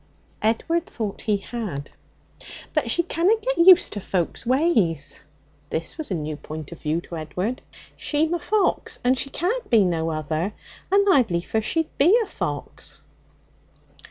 Edward thought he had. 'But she canna get used to folks' ways.' (This was a new point of view to Edward.) 'She'm a fox, and she can't be no other. And I'd liefer she'd be a fox.'